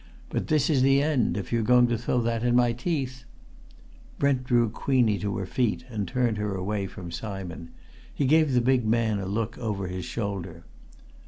But this is the end, if you're going to throw that in my teeth " Brent drew Queenie to her feet and turned her away from Simon. He gave the big man a look over his shoulder.